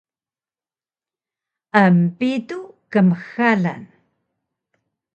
empitu kmxalan